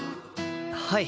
はい。